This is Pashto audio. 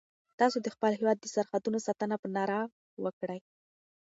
تاسو د خپل هیواد د سرحدونو ساتنه په نره وکړئ.